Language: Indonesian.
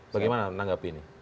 bagaimana menanggapi ini